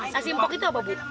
sasi empok itu apa bu